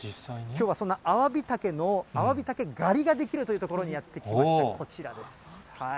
きょうはそのアワビタケのアワビタケ狩りができるという所にやって来ました、こちらです。